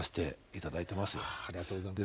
ありがとうございます。